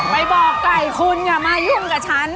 ไปบอกไก่คุณอย่ามาเยี่ยมกับฉัน